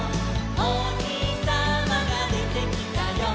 「おひさまがでてきたよ」